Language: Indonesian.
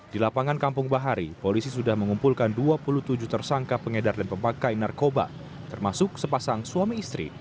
di lapangan kampung bahari polisi sudah mengumpulkan dua puluh tujuh tersangka pengedar dan pemakai narkoba termasuk sepasang suami istri